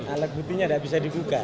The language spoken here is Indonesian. alat buktinya tidak bisa dibuka